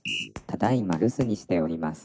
ただいま留守にしております。